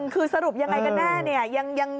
คือสรุปยังไงกันแน่